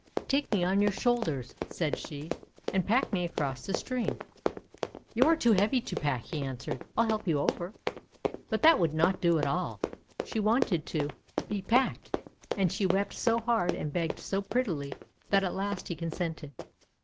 "Take me on your shoulders," said she, "and pack me across the stream." "You are too heavy to pack," he answered; "I '11 help you over." But that would not do at all! She wanted to 138 THE WONDER GARDEN be packed, and she wept so hard and begged so prettily that at last he consented.